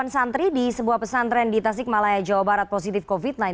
empat puluh delapan santri di sebuah pesantren di tasikmalaya jawa barat positif covid sembilan belas